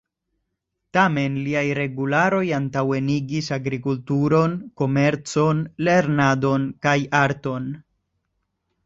Tamen liaj regularoj antaŭenigis agrikulturon, komercon, lernadon kaj arton.